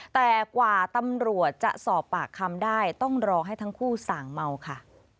แต่กว่าตำรวจจะสอบปากคำได้ต้องรอให้ทั้งคู่สั่งเมาค่ะ